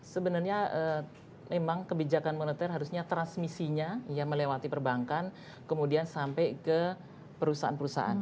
sebenarnya memang kebijakan moneter harusnya transmisinya yang melewati perbankan kemudian sampai ke perusahaan perusahaan